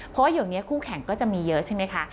เพราะว่าเดี๋ยวนี้คู่แข่งก็จะมีเยอะใช่ไหมคะ